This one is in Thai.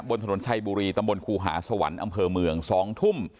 บนถนนชัยบุรีตำบลครูหาสวรรค์อำเภอเมือง๒ทุ่ม